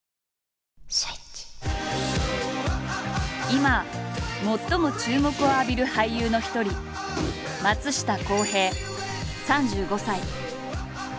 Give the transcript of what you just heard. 今最も注目を浴びる俳優の一人松下洸平３５歳。